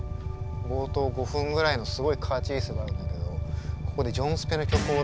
冒頭５分ぐらいのすごいカーチェイスがあるんだけどここでジョンスペの曲をね主人公が聴くんですよ